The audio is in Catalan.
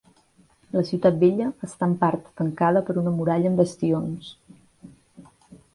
La ciutat vella està en part tancada per una muralla amb bastions.